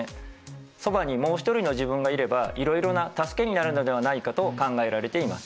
そばにもう一人の自分がいればいろいろな助けになるのではないかと考えられています。